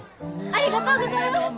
ありがとうございます！